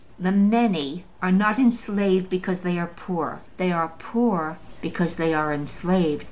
The many are not enslaved because they are poor, they are poor because they are enslaved.